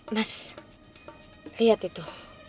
mas lihat itu